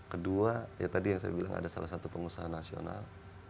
kedua ya tadi yang saya bilang ada salah satu pengusaha nasional